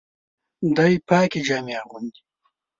دی پاکي جامې اغوندي.